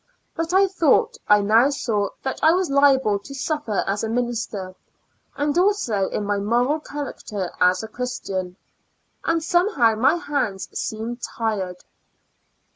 But I thought I now saw that I was liable to suffer as a minister, and also in my moral character as a Christian; and somehow my hands seemed tied.